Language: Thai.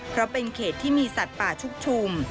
เพราะเป็นเขตที่มีสัตว์ป่าชุกชุม